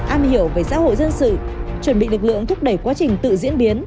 am hiểu về xã hội dân sự chuẩn bị lực lượng thúc đẩy quá trình tự diễn biến